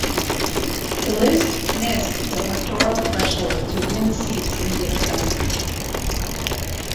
The list missed the electoral threshold to win seats in the assembly.